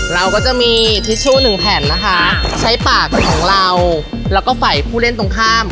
เราก็จะมีทิชชู่หนึ่งแผ่นนะคะใช้ปากของเราแล้วก็ฝ่ายผู้เล่นตรงข้าม